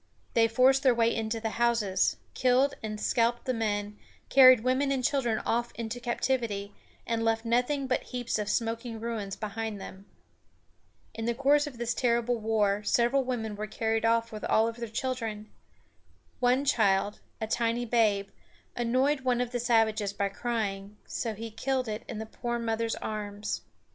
They forced their way into the houses, killed and scalped the men, carried women and children off into captivity, and left nothing but heaps of smoking ruins behind them. In the course of this terrible war, several women were carried off with all their children. One child a tiny babe annoyed one of the savages by crying, so he killed it in the poor mother's arms.